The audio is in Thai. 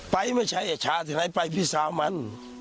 ไม่ใช่ไอ้ชาที่ไหนไปพี่สาวมัน